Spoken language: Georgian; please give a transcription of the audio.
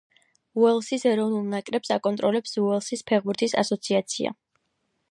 უელსის ეროვნულ ნაკრებს აკონტროლებს უელსის ფეხბურთის ასოციაცია.